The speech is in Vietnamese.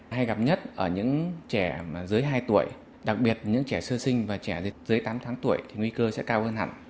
hay gặp nhất ở những trẻ mà dưới hai tuổi đặc biệt những trẻ sơ sinh và trẻ dưới tám tháng tuổi thì nguy cơ sẽ cao hơn hẳn